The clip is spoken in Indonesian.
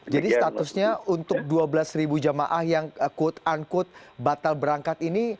jadi statusnya untuk dua belas jamaah yang quote unquote batal berangkat ini